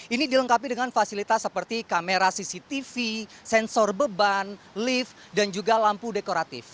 ini dilengkapi dengan fasilitas seperti kamera cctv sensor beban lift dan juga lampu dekoratif